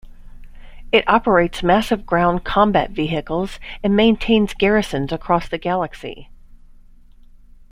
It operates massive ground combat vehicles and maintains garrisons across the galaxy.